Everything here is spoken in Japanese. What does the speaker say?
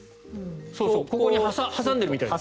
ここに挟んでいるみたいです。